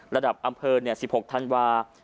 ระดับอำเภอ๑๖ธันวาคม